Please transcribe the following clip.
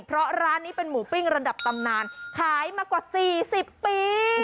เพราะร้านนี้เป็นหมูปิ้งระดับตำนานขายมากว่า๔๐ปี